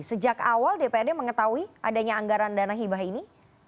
sejak awal dprd mengetahui adanya anggaran dana hibah ini